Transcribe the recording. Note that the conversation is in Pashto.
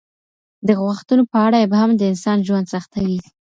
د غوښتنو په اړه ابهام د انسان ژوند سختوي.